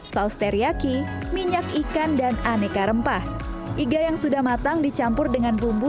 saus teriyaki minyak ikan dan aneka rempah iga yang sudah matang dicampur dengan bumbu